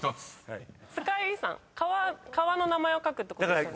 川の名前を書くってことですよね。